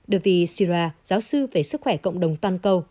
david syrah giáo sư về sức khỏe cộng đồng toàn cầu